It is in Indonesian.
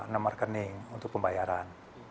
nomor rekening untuk pembayaran